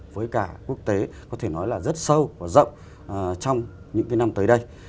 với cả quốc tế có thể nói là rất sâu và rộng trong những năm tới đây